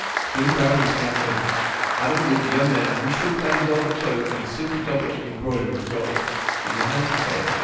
Soon the barrel was found and opened. Out of it leaped a young man, richly clad in a velvet cloak and a silk doublet embroidered with gold. He was a handsome fellow.